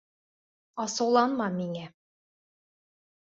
Асыуланма миңә.